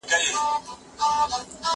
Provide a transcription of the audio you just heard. زه مخکي د ښوونځی لپاره تياری کړی وو!!